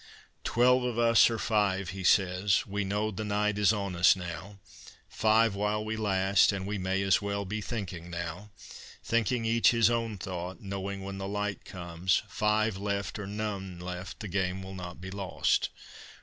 "Twelve of us or five," he says, "we know the night is on us now: Five while we last, and we may as well be thinking now: Thinking each his own thought, knowing, when the light comes, Five left or none left, the game will not be lost.